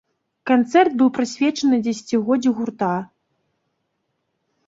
Канцэрт быў прысвечаны дзесяцігоддзю гурта.